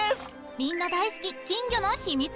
みんな大好き、金魚の秘密。